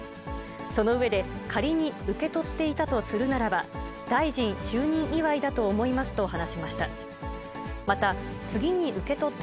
その上で、仮に受け取っていたとするならば、大臣就任祝いだと思いますと話しました。